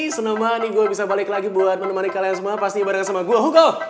senang banget nih gue bisa balik lagi buat menemani kalian semua pas ini barengan sama gue hugo